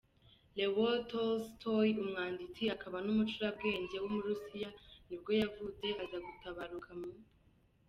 Leo Tolstoy, umwanditsi akaba n’umucurabwenge w’umurusiya ni bwo yavutse, aza gutabaruka mu .